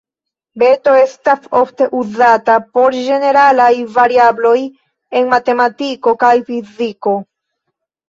Beto estas ofte uzata por ĝeneralaj variabloj en matematiko kaj fiziko.